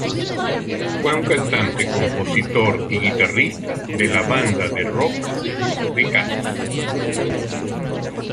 Fue un cantante, compositor y guitarrista de la banda de rock The Cats.